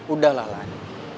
udah lah lan